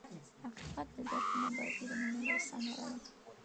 حقیقت د درک نه، بلکې د منلو ثمره ده.